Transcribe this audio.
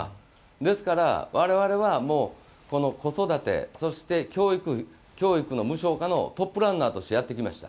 ですから我々は子育て、教育の無償化のトップランナーとしてやってきました。